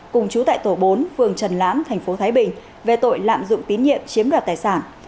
cùng chú tại tổ bốn phường trần lãm thành phố thái bình về tội lạm dụng tín nhiệm chiếm đoạt tài sản